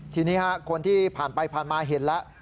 ทีนี้คนที่ผ่านไปผ่านมาเห็นแล้ว